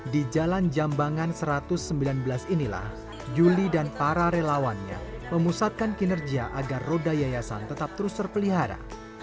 di jalan jambangan satu ratus sembilan belas inilah yuli dan para relawannya memusatkan kinerja agar roda yayasan tetap terus terpelihara